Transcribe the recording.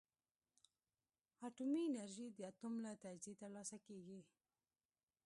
اټومي انرژي د اتوم له تجزیې ترلاسه کېږي.